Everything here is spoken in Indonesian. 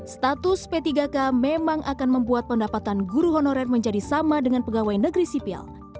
status p tiga k memang akan membuat pendapatan guru honorer menjadi sama dengan pegawai negeri sipil